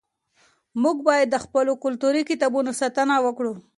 موږ باید د خپلو کلتوري کتابتونونو ساتنه وکړو.